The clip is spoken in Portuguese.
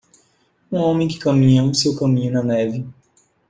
Um homem que caminha o seu caminho na neve.